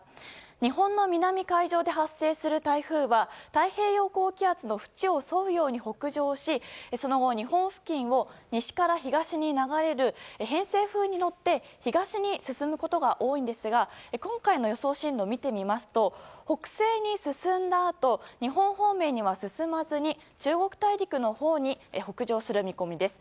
日本の南海上で発生する台風は太平洋高気圧の縁を沿うように北上しその後、日本付近を西から東に流れる偏西風に乗って東に進むことが多いんですが今回の予想進路を見てみますと北西に進んだあと日本方面には進まずに中国大陸のほうに北上する見込みです。